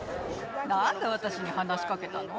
なんで私に話しかけたの？